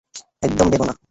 একদম ভেবো না!